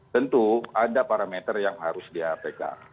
tentu ada parameter yang harus di hpk